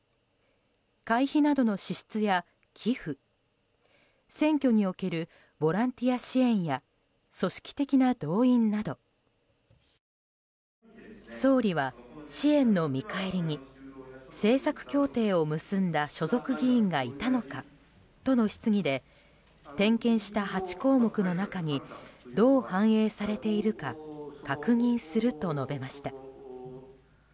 会費などの支出や寄付選挙におけるボランティア支援や組織的な動員など総理は支援の見返りに政策協定を結んだ所属議員がいたのかとの質疑で点検した８項目の中にどう反映されているか確認すると述べました。